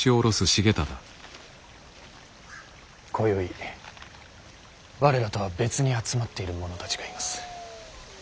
今宵我らとは別に集まっている者たちがいます。